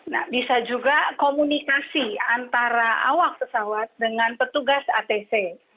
nah bisa juga komunikasi antara awak pesawat dengan petugas atc